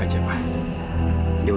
ju sl sugart